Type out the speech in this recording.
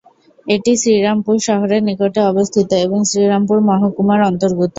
এটি শ্রীরামপুর শহরের নিকটে অবস্থিত এবং শ্রীরামপুর মহকুমার অন্তর্গত।